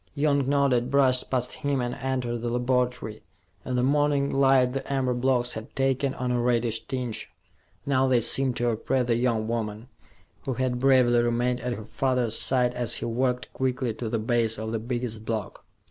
Young nodded, brushed past him, and entered the laboratory. In the morning light the amber blocks had taken on a reddish tinge. Now, they seemed to oppress the young woman, who had bravely remained at her father's side as he walked quickly to the base of the biggest block.